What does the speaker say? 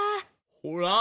ほら。